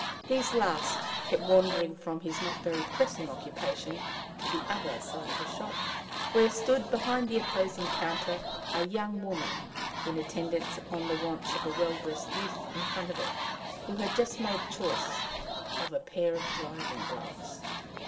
These last kept wandering from his not very pressing occupation to the other side of the shop, where stood, behind the opposing counter, a young woman, in attendance upon the wants of a well dressed youth in front of it, who had just made choice of a pair of driving gloves.